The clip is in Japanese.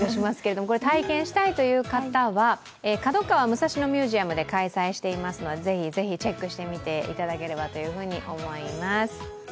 体験したいという方は角川武蔵野ミュージアムで開催していますのでぜひぜひ、チェックしていただければと思います。